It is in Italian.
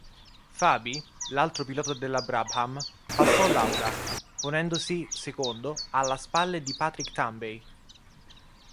Fabi, l'altro pilota della Brabham, passò Lauda, ponendosi secondo, alla spalle di Patrick Tambay.